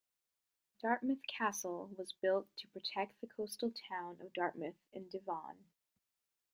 Dartmouth Castle was built to protect the coastal town of Dartmouth in Devon.